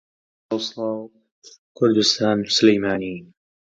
Garuda discovers her mischief and repudiates her.